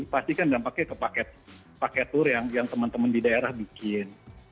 pasti kan dampaknya ke paket tur yang teman teman di daerah bikin